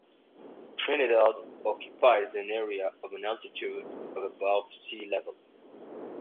Trinidad occupies an area of on an altitude of above sea level.